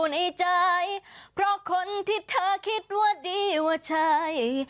ในใจเพราะคนที่เธอคิดว่าดีว่าใช่